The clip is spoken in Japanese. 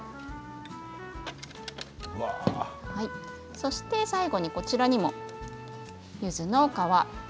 そして、最後にこちらにもゆずの皮。